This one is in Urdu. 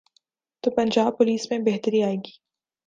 تو پنجاب پولیس میں بہتری آئے گی۔